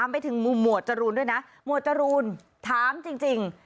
ไปถึงมุมหมวดจรูนด้วยนะหมวดจรูนถามจริง